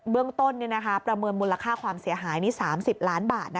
เรื่องต้นประเมินมูลค่าความเสียหายนี่๓๐ล้านบาท